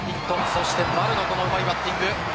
そして丸のうまいバッティング。